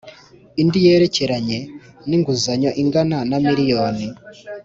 India yerekeranywe n inguzanyo ingana na miliyoni